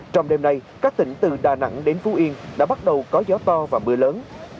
trong đêm nay các tỉnh từ đà nẵng đến phú yên đã bắt đầu có gió to và mưa lớn